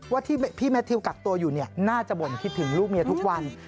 ว่าที่พี่แมททิวกักตัวอยู่น่าจะบ่นคิดถึงลูกเมียทุกวัน